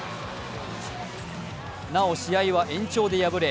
なお試合は延長で敗れ